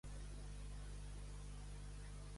Tuvieron tres hijos, Peter, Serge e Ivan.